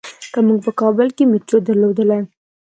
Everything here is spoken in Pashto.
که مونږ په کابل کې میټرو درلودلای.